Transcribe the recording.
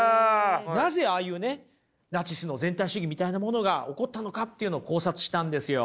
なぜああいうねナチスの全体主義みたいなものが起こったのかというのを考察したんですよ。